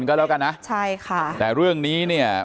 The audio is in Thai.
ก็แล้วกันนะแต่เรื่องนี้เนี่ย